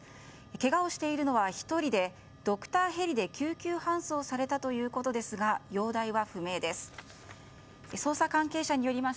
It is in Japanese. けがをしているのは１人でドクターヘリで救急搬送されたということですが容体は不明です。